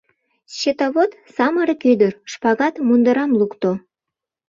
Счетовод, самырык ӱдыр, шпагат мундырам лукто.